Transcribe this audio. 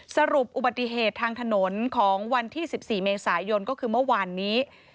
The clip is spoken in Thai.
สรุปอุบัติเหตุทางถนนของวันที่๑๔เมษายนก็คือเมื่อวานนี้